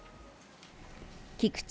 菊池